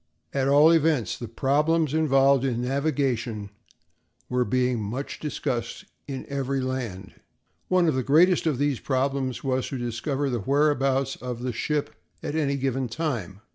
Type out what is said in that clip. At all events, the problems involved in navigation were being much discussed in every land. One of the greatest of these problems was to discover the whereabouts of the ship at any given time.